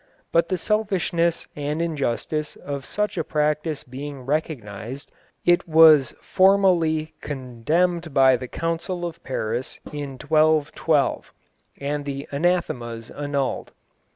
But the selfishness and injustice of such a practice being recognised, it was formally condemned by the Council of Paris in 1212, and the anathemas annulled.